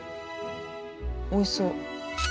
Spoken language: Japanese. おいしそう。